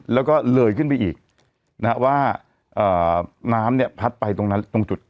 แล้วก็เลยขึ้นไปอีกว่าน้ำเนี่ยพัดไปตรงนั้นตรงจุด